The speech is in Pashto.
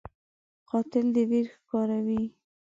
قاتل د ویر ښکاروي